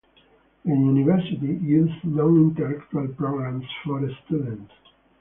The university uses non-intellectual programs for students.